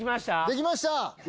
できました！